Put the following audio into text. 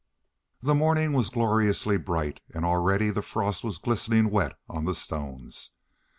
The morning was gloriously bright, and already the frost was glistening wet on the stones.